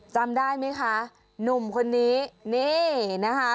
จำได้ไหมคะหนุ่มคนนี้นี่นะคะ